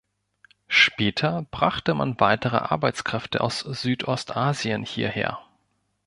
Später brachte man weitere Arbeitskräfte aus Südostasien hierher.